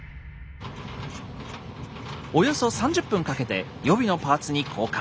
およそ３０分かけて予備のパーツに交換。